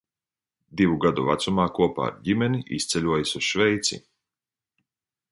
Divu gadu vecumā kopā ar ģimeni izceļojis uz Šveici.